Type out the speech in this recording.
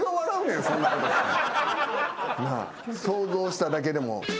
想像しただけでも。